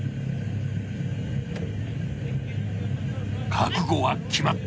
覚悟は決まった。